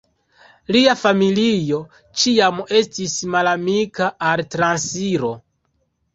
Lia familio ĉiam estis malamika al la transiro.